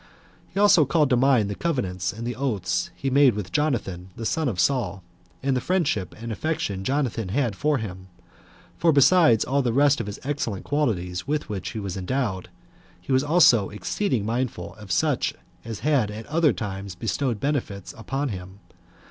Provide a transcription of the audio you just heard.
5. He also called to mind the covenants and the oaths he had made with Jonathan, the son of Saul, and the friendship and affection Jonathan had for him; for besides all the rest of his excellent qualities with which he was endowed, he was also exceeding mindful of such as had at other times bestowed benefits upon him.